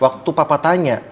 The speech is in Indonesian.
waktu papa tanya